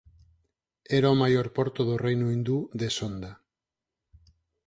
Era o maior porto do reino hindú de Sonda.